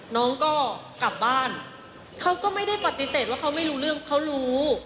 น้องก็กลับบ้านเขาก็ไม่ได้ปฏิเสธว่าเขาไม่รู้เรื่องเขารู้